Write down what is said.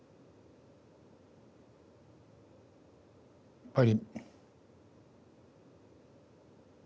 やっぱり。